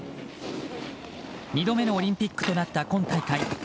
２度目のオリンピックとなった今大会。